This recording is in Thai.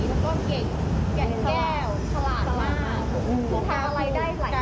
น้องต้องพยายามเปิดประตูหรือขอบความที่อยู่